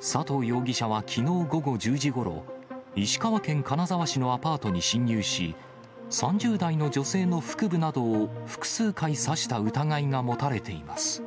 佐藤容疑者はきのう午後１０時ごろ、石川県金沢市のアパートに侵入し、３０代の女性の腹部などを複数回刺した疑いが持たれています。